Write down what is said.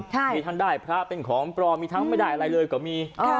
มีทางต้านได้ภาพเป็นของปลอมมีทางไม่ได้อะไรเลยก็มี